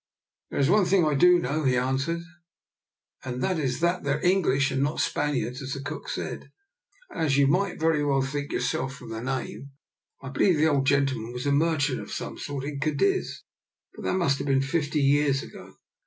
" "There is one thing I do know," he an swered, " and that is that they're English and not Spaniards, as the cook said, and as you might very well think yourself from the name. I believe the old gentleman was a merchant of some sort in Cadiz, but that must have been fifty years ago.